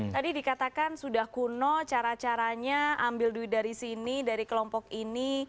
tadi dikatakan sudah kuno cara caranya ambil duit dari sini dari kelompok ini